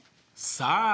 さあ